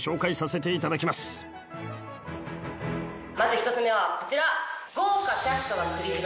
まず１つ目はこちら。